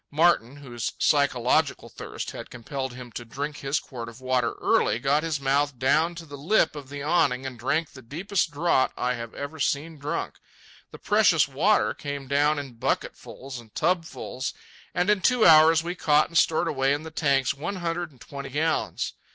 Martin, whose psychological thirst had compelled him to drink his quart of water early, got his mouth down to the lip of the awning and drank the deepest draught I ever have seen drunk. The precious water came down in bucketfuls and tubfuls, and in two hours we caught and stored away in the tanks one hundred and twenty gallons.